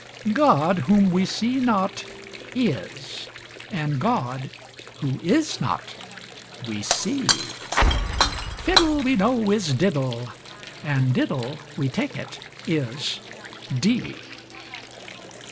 God, whom we see not, is: and God, who is not, we see: Fiddle, we know, is diddle: and diddle, we take it, is dee.